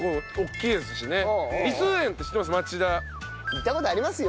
行った事ありますよ。